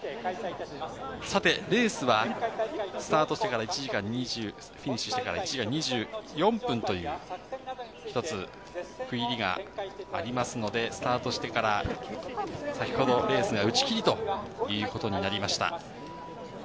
さて、レースはスタート地点、フィニッシュしてから１時間２４分という、１つ区切りがありますので、スタートしてから先ほどレースが打ち切りということになりました。